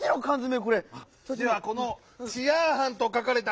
ではこの「チヤーハン」とかかれた。